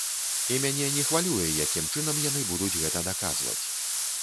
І мяне не хвалюе, якім чынам яны будуць гэта даказваць.